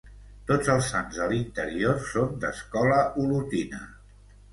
Tots els sants de l'interior són d'escola olotina.